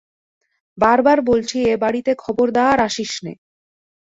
বারবার বলছি, এ-বাড়িতে খবরদার আসিস নে।